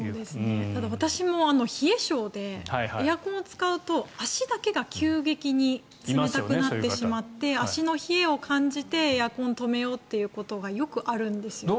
ただ、私も冷え性でエアコンを使うと足だけが急激に冷たくなってしまって足の冷えを感じてエアコンを止めようということがよくあるんですよね。